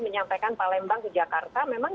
menyampaikan palembang ke jakarta memang